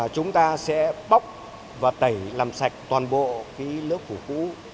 chúng ta sẽ bóc và tẩy làm sạch toàn bộ cái lớp phủ cũ